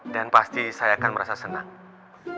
dan pasti saya akan merasa senang